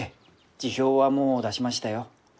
辞表はもう出しましたよ。